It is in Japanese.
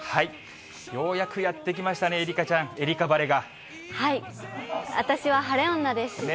ようやくやって来ましたね、はい、私は晴れ女です。